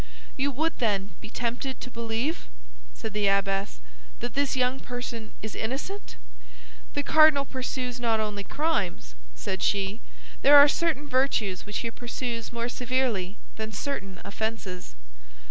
"You would, then, be tempted to believe," said the abbess, "that this young person is innocent?" "The cardinal pursues not only crimes," said she: "there are certain virtues which he pursues more severely than certain offenses."